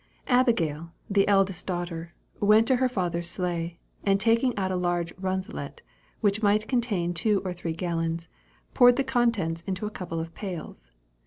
Abigail, the eldest daughter, went to her father's sleigh, and taking out a large rundlet, which might contain two or three gallons, poured the contents into a couple of pails.